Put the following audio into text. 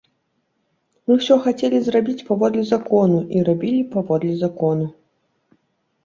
Мы ўсё хацелі зрабіць паводле закону і рабілі паводле закону.